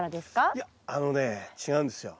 いやあのね違うんですよ。